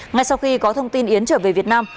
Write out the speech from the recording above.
ngay sau khi có thông tin yến trở về việt nam